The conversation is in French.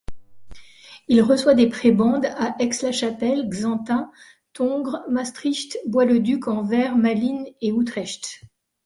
Il reçoit des prébendes à Aix-la-Chapelle, Xanten, Tongres, Maastricht, Bois-le-Duc, Anvers, Malines et Utrecht.